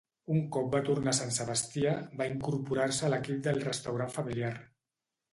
Un cop va tornar a Sant Sebastià, va incorporar-se a l'equip del restaurant familiar.